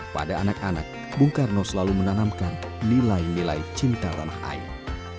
pada anak anak bung karno selalu menanamkan nilai nilai cinta tanah air